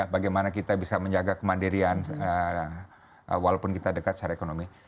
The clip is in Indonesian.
bagaimana kita bisa menjaga kemandirian walaupun kita dekat secara ekonomi